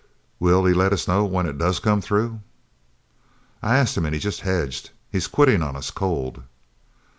"Will he let us know when it does come through?" "I asked him, an' he jest hedged. He's quitting on us cold."